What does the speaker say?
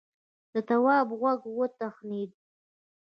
د تواب غوږ وتخڼېد.